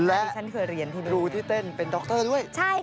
และดูที่เต้นเป็นดรด้วย